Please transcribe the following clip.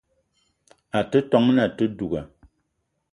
A te ton na àte duga